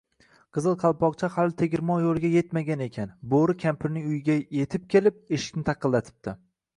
Qizil Qalpoqcha hali tegirmon yoʻliga yetmagan ekan, Boʻri kampirning uyiga yetib kelib, eshikni taqillatibdi